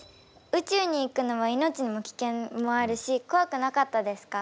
宇宙に行くのは命の危険もあるしこわくなかったですか？